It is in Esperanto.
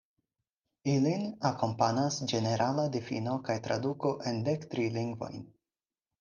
Ilin akompanas ĝenerala difino kaj traduko en dek tri lingvojn.